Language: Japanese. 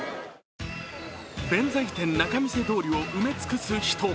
弁財天仲見世通りを埋め尽くす人。